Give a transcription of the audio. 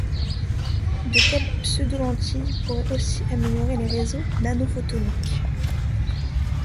De telles pseudolentilles pourraient aussi améliorer les réseaux nanophotoniques.